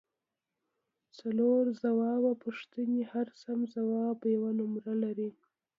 څلور ځوابه پوښتنې هر سم ځواب یوه نمره لري